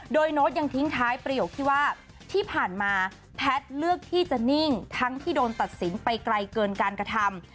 โดยโน้ตยังทิ้งท้ายประโยคที่ว่าที่ผ่านมาแพทย์เลือกที่จะนิ่งทั้งที่โดนตัดสินไปไกลเกินการกระทำ